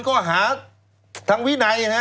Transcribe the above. ก็หาทางวินัยนะ